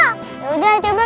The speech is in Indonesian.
saya sudah mencoba